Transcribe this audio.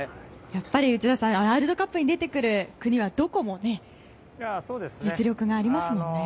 やっぱり内田さんワールドカップに出てくる国はどこも実力がありますね。